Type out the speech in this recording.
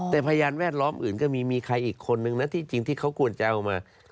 แต่พยานแวดล้อมอื่นก็มีมีใครอีกคนนึงนะที่จริงที่เขาควรจะเอามา